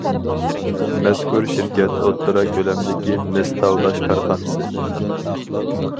مەزكۇر شىركەت ئوتتۇرا كۆلەمدىكى مىس تاۋلاش كارخانىسى.